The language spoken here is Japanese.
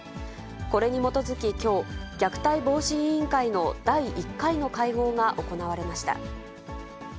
これに基づききょう、虐待防止委員会の第１回の会合が行われました。